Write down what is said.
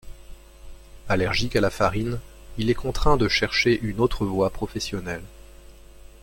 Allergique à la farine, il est contraint de chercher une autre voie professionnelle.